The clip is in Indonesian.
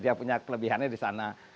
dia punya kelebihannya di sana